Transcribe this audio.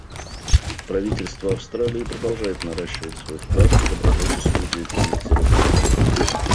Правительство Австралии продолжает наращивать свой вклад в добровольческую деятельность за рубежом.